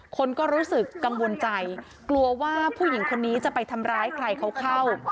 คนก็รู้สึกกังวลใจกลัวว่าผู้หญิงคนนี้จะไปทำร้ายใครเขาเข้า